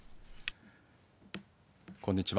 こんにちは。